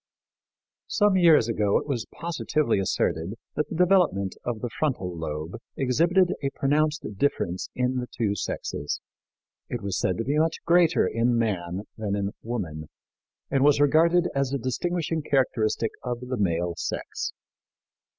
Some years ago it was positively asserted that the development of the frontal lobe exhibited a pronounced difference in the two sexes. It was said to be much greater in man than in woman and was regarded as a distinguishing characteristic of the male sex.